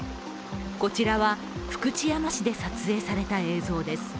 こちらは福知山市で撮影された映像です。